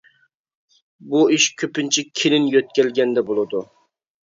بۇ ئىش كۆپىنچە كېلىن يۆتكەلگەندە بولىدۇ.